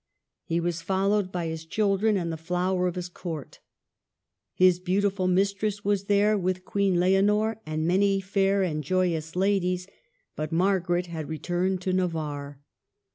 He was followed by his children and the flower of his Court. His beautiful mistress was there, with Queen Leonor and many fair and joyous ladies ; but Margaret had returned to Navarre.